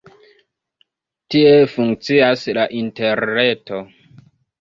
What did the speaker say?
Tiel funkcias la interreto.